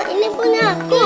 ini pun aku